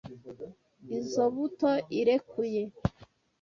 Izoi buto irekuye.